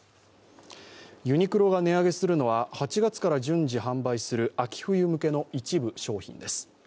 ユニクロが値上げするのは８月から順次販売する秋冬向けの一部商品です。